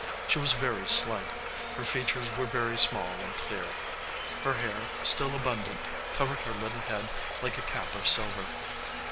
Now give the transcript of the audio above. She was very slight. Her features were very small and clear. Her hair, still abundant, covered her little head like a cap of silver.